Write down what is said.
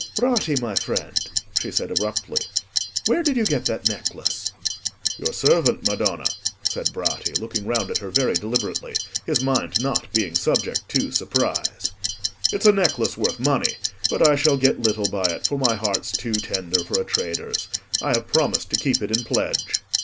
"Bratti, my friend," she said abruptly, "where did you get that necklace?" "Your servant, madonna," said Bratti, looking round at her very deliberately, his mind not being subject to surprise. "It's a necklace worth money, but I shall get little by it, for my heart's too tender for a trader's; I have promised to keep it in pledge."